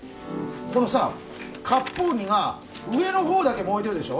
このさ割烹着が上の方だけ燃えてるでしょ